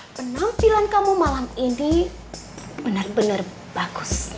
penampilan kamu malam ini benar benar bagus